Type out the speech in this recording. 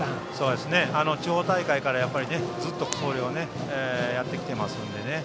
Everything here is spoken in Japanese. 地方大会からずっとやってきていますのでね。